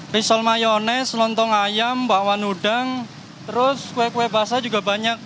pisau mayonis lontong ayam bakwan udang terus kue kue basah juga banyak